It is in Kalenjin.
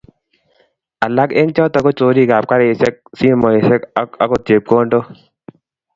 Alak eng choto ko chorikab garisiek, simesiek ak akot chepkondok.